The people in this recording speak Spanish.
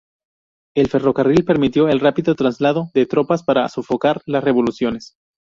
El ferrocarril permitió el rápido traslado de tropas, para sofocar las revoluciones.